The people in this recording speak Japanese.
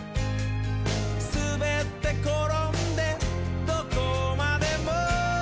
「すべってころんでどこまでも」